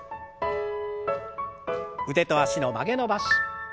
腕と脚の曲げ伸ばし。